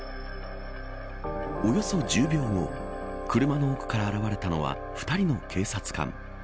およそ１０秒後車の奥から現れたのは２人の警察官。